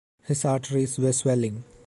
His arteries were swelling.